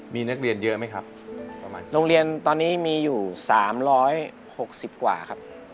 มีนักเรียนเยอะไหมครับประมาณโรงเรียนตอนนี้มีอยู่๓๖๐กว่าครับ